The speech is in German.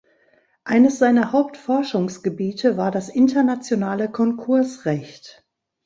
Eines seiner Hauptforschungsgebiete war das internationale Konkursrecht.